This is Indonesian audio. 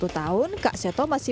tujuh puluh satu tahun kak seta masih